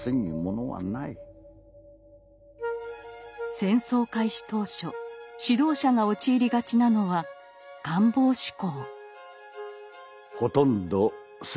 戦争開始当初指導者が陥りがちなのは「願望思考」。